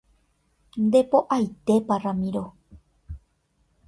Nde po'aitépa Ramiro.